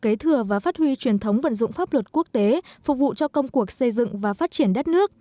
hội luật quốc tế việt nam đã thuy truyền thống vận dụng pháp luật quốc tế phục vụ cho công cuộc xây dựng và phát triển đất nước